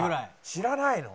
「知らないの？」